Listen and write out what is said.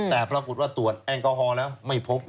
แต่ปรากฏว่าตรวจแอลกอฮอล์แล้วไม่พบ